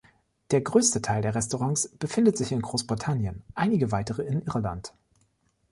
Der größte Teil der Restaurants befindet sich in Großbritannien, einige weitere in Irland.